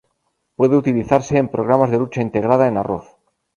Puede utilizarse en programas de lucha integrada en arroz.